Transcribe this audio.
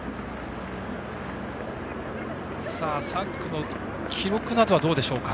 ３区の記録などはどうでしょうか。